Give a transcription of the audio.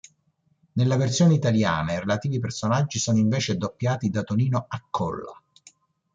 Nella versione italiana i relativi personaggi sono invece doppiati da Tonino Accolla.